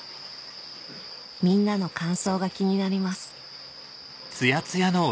みんなの感想が気になります